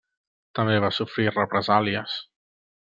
També va sofrir represàlies.